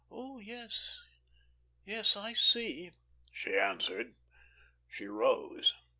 "Oh, yes, yes, I see," she answered. She rose.